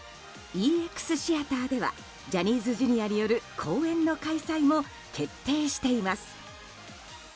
ＥＸＴＨＥＡＴＥＲではジャニーズＪｒ．による公演の開催も決定しています。